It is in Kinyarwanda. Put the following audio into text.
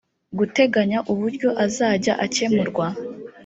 guteganya uburyo azajya akemurwa